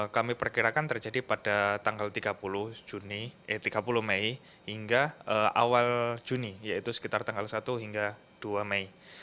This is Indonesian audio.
kami perkirakan terjadi pada tanggal tiga puluh mei hingga awal juni yaitu sekitar tanggal satu hingga dua mei